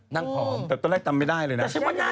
แต่ตอนแรกต้องไม่ได้เลยนะ